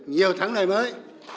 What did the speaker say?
nhiều thắng lợi mới